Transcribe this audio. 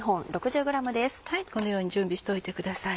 このように準備しておいてください。